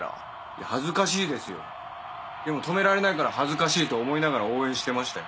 いや恥ずかしいですよでも止められないから恥ずかしいと思いながら応援してましたよ。